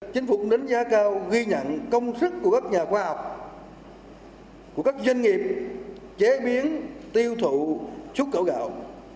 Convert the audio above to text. chính phủ đánh giá cao ghi nhận công sức của các nhà khoa học của các doanh nghiệp chế biến tiêu thụ xuất khẩu gạo